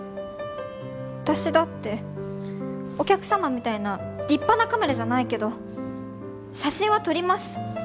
私だってお客様みたいな立派なカメラじゃないけど写真は撮ります。